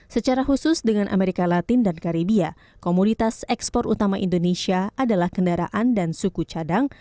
secara khusus dengan amerika latin dan karibia komoditas ekspor utama indonesia adalah kendaraan dan suku cadang